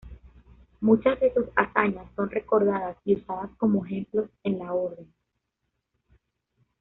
Muchas de sus hazañas son recordadas y usadas como ejemplos en la orden.